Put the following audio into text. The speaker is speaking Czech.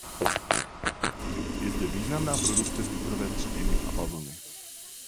Je zde významná produkce cukrové třtiny a bavlny.